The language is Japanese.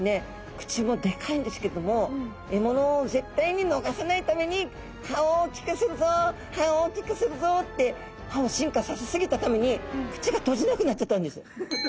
口もでかいんですけれども獲物を絶対に逃さないために歯を大きくするぞ歯を大きくするぞって歯を進化させ過ぎたために口が閉じなくなっちゃったんです。